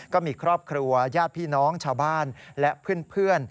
ก็มีครอบครัวญาติพี่น้องชาวบ้านและเพื่อน